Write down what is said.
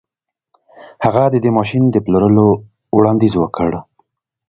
هغه د دې ماشين د پلورلو وړانديز وکړ.